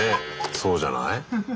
そうじゃない？